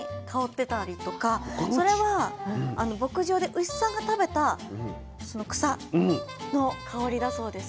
それは牧場で牛さんが食べたその草の香りだそうです。